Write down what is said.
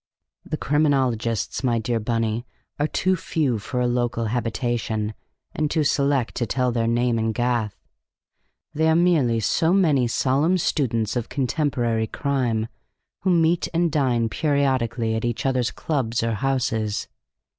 "The Criminologists, my dear Bunny, are too few for a local habitation, and too select to tell their name in Gath. They are merely so many solemn students of contemporary crime, who meet and dine periodically at each other's clubs or houses."